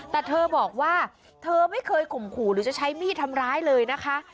แต่เธอบอกว่าเธอไม่เคยข่มขู่หรือจะใช้มีดทำร้ายเลยนะคะ